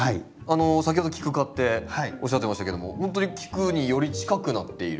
先ほどキク科っておっしゃってましたけどもほんとに菊により近くなっている。